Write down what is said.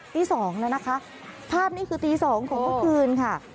ตี๒แล้วนะคะภาพนี้คือตี๒ของเมื่อคืนค่ะ